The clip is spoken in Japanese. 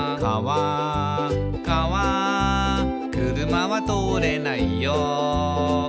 「かわ車は通れないよ」